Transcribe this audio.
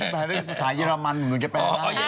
ผมแปลเรื่องภาษาเยอรมันหนูจะแปลมา